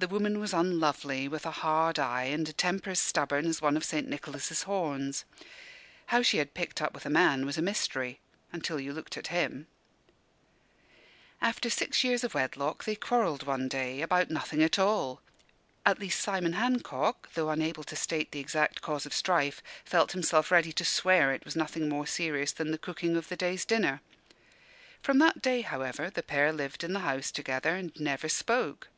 The woman was unlovely, with a hard eye and a temper as stubborn as one of St. Nicholas's horns. How she had picked up with a man was a mystery, until you looked at him. After six years of wedlock they quarrelled one day, about nothing at all: at least, Simon Hancock, though unable to state the exact cause of strife, felt himself ready to swear it was nothing more serious than the cooking of the day's dinner. From that date, however, the pair lived in the house together and never spoke.